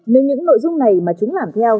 nếu những nội dung này mà chúng làm theo